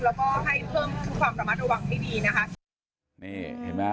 แล้วก็ให้เพิ่มทุกความประมาทระวังให้ดีนะคะ